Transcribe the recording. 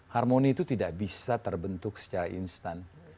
harmoni itu tidak bisa terbentuk secara instan